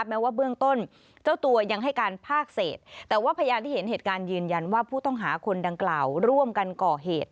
แม้ว่าเบื้องต้นเจ้าตัวยังให้การภาคเศษแต่ว่าพยานที่เห็นเหตุการณ์ยืนยันว่าผู้ต้องหาคนดังกล่าวร่วมกันก่อเหตุ